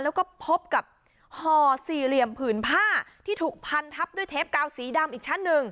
แล้วก็พบกับห่อสี่เหลี่ยมผืนผ้าที่ถูกพันทับด้วยเทปกาวสีดำอีกชั้นหนึ่ง